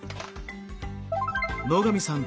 野上さん